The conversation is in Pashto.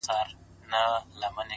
راباندي گرانه خو يې،